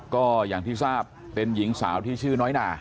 ก็อย่างที่ทราบเป็นหญิงสาวที่ชื่อน้อยนา